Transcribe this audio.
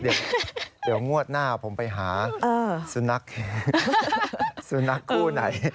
เดี๋ยวงวดหน้าผมไปหาสุนัขคู่ไหน